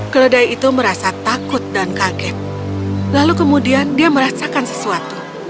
keledai itu merasa takut dan kaget lalu kemudian dia merasakan sesuatu